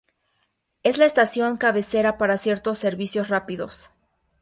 Es la estación cabecera para ciertos servicios rápidos.